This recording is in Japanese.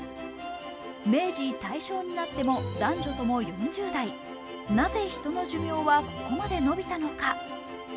明治、大正になっても男女とも４０代なぜヒトの寿命はここまでのびたのか。